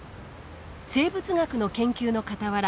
生物学の研究のかたわら